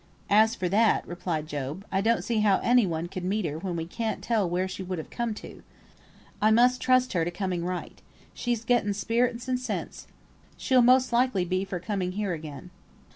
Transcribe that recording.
"As for that," replied Job, "I don't see how any one could meet her when we can't tell where she would come to. I must trust to her coming right. She's getten spirit and sense. She'll most likely be for coming here again.